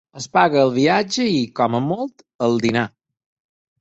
Es paga el viatge i, com a molt, el dinar.